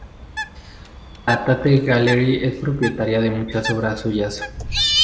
La Tate Gallery es propietaria de muchas obras suyas.